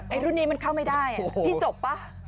อันนี้มันเข้าไม่ดายพี่จบปะ